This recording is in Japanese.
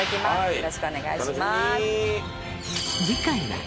よろしくお願いします。